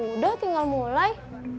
udah tinggal mulai